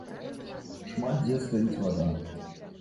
Шмат дзе стаіць вада.